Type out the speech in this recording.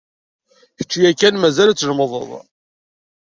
Kečč yakan mazal ad tlemmdeḍ.